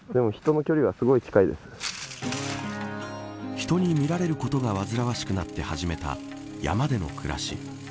人に見られることがわずらわしくなって始めた山での暮らし。